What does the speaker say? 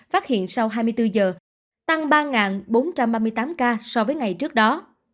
phát hiện sau hai mươi bốn giờ tăng ba bốn trăm ba mươi tám ca so với ngày trước đó